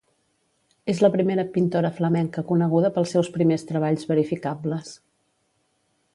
És la primera pintora flamenca coneguda pels seus primers treballs verificables.